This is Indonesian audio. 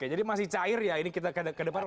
jadi masih cair ya ini kita ke depan